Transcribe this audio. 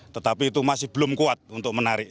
tetapi itu masih belum kuat untuk menarik